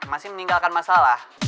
masih meninggalkan masalah